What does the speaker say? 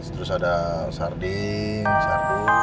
terus ada sardin